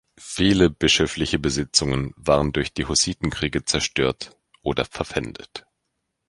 Viele bischöfliche Besitzungen waren durch die Hussitenkriege zerstört oder verpfändet.